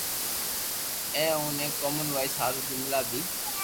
اي بوني ۾ ڪومن وائس ھارون جملا بي